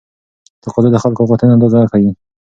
تقاضا د خلکو غوښتنې اندازه ښيي.